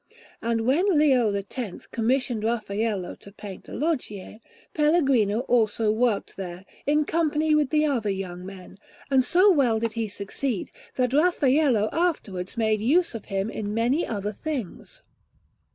And when Leo X commissioned Raffaello to paint the Loggie, Pellegrino also worked there, in company with the other young men; and so well did he succeed, that Raffaello afterwards made use of him in many other things.